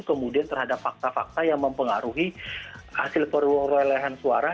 kemudian terhadap fakta fakta yang mempengaruhi hasil perwelehan suara